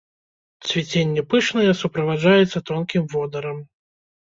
Цвіценне пышнае, суправаджаецца тонкім водарам.